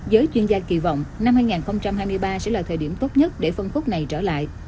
giới chuyên gia kỳ vọng năm hai nghìn hai mươi ba sẽ là thời điểm tốt nhất để phân khúc này trở lại